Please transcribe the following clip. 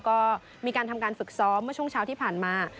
ก็มีการทำการฝึกซ้อมเมื่อช่วงเช้าที่ผ่านมา